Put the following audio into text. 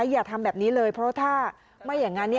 อย่าทำแบบนี้เลยเพราะถ้าไม่อย่างนั้น